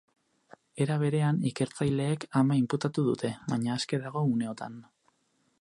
Era berean, ikertzaileek ama inputatu dute, baina aske dago uneotan.